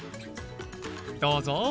どうぞ！